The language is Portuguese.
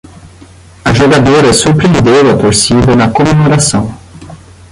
A jogadora surpreendeu a torcida na comemoração